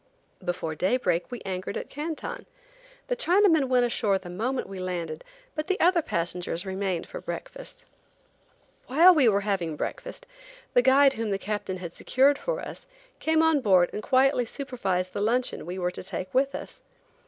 Before daybreak we anchored at Canton. The Chinamen went ashore the moment we landed, but the other passengers remained for breakfast. While we were having breakfast, the guide whom the captain had secured for us, came on board and quietly supervised the luncheon we were to take with us.